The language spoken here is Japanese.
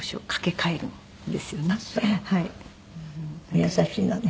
お優しいのね。